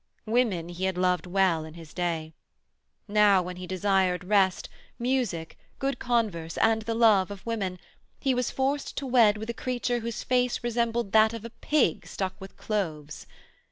Women he had loved well in his day. Now, when he desired rest, music, good converse and the love of women, he was forced to wed with a creature whose face resembled that of a pig stuck with cloves.